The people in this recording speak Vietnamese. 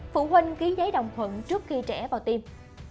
phụ huynh ký giấy đồng thuận trước khi trẻ vào tiêm